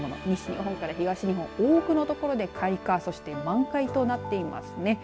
西日本から東日本多くの所で開花、満開となっています。